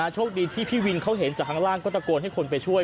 โชคดีที่พี่วินเขาเห็นจากข้างล่างก็ตะโกนให้คนไปช่วย